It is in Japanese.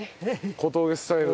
小峠スタイル。